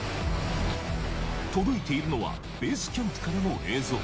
届いているのはベースキャンプからの映像。